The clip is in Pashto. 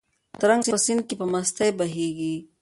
ترنګ په سیند کې په مستۍ بهېږي.